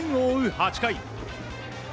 ８回。